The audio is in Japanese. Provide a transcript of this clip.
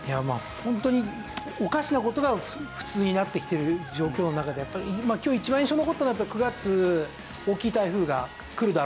ホントにおかしな事が普通になってきている状況の中で今日一番印象に残ったのが９月大きい台風が来るだろうと。